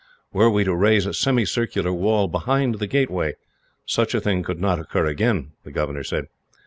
Were we to raise a semicircular wall behind the gateway, such a thing could not occur again," the governor said.